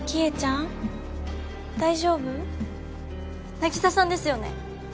凪沙さんですよね。